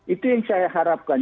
itu yang saya harapkan